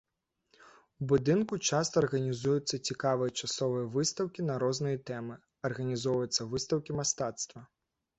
У будынку часта арганізуюцца цікавыя часовыя выстаўкі на розныя тэмы, арганізоўваюцца выстаўкі мастацтва.